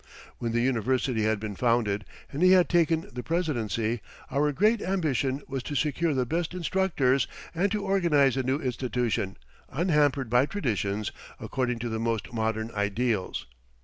When the university had been founded, and he had taken the presidency, our great ambition was to secure the best instructors and to organize the new institution, unhampered by traditions, according to the most modern ideals.